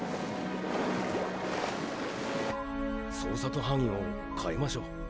捜索範囲を変えましょう。